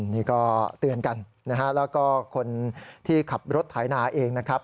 นี่ก็เตือนกันนะฮะแล้วก็คนที่ขับรถไถนาเองนะครับ